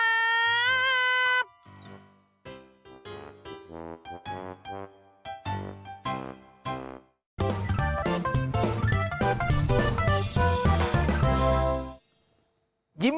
สวัสดีครับ